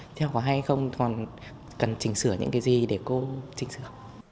tiết học có hay không còn cần chỉnh sửa những cái gì để cô chỉnh sửa